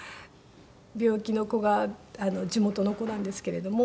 病気の子が地元の子なんですけれども。